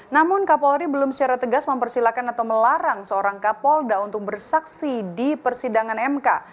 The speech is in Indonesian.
namun kapolri belum secara tegas mempersilahkan atau melarang seorang kapolda untuk bersaksi di persidangan mk